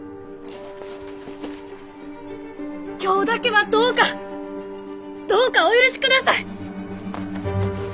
今日だけはどうかどうかお許しください！